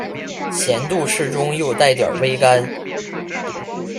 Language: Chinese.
咸度适中又带点微甘